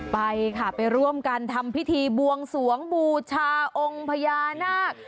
ไปค่ะไปร่วมกันทำพิธีบวงสวงบูชาองค์พญานาค